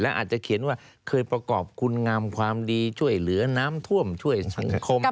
อาจจะเขียนว่าเคยประกอบคุณงามความดีช่วยเหลือน้ำท่วมช่วยสังคม